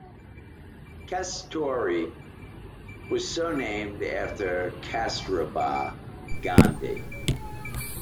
Kasturi was so named after Kasturba Gandhi.